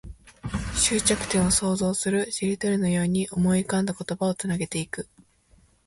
終着点を想像する。しりとりのように思い浮かんだ言葉をつなげていく。